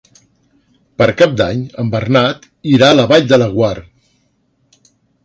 Per Cap d'Any en Bernat irà a la Vall de Laguar.